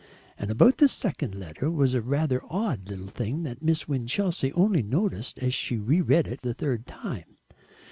And about this second letter was a rather odd little thing that Miss Winchelsea only noticed as she re read it the third time.